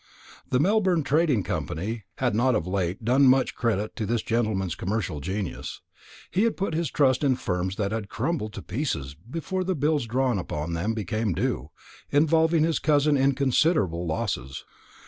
The Melbourne trading had not of late done much credit to this gentleman's commercial genius. He had put his trust in firms that had crumbled to pieces before the bills drawn upon them came due, involving his cousin in considerable losses.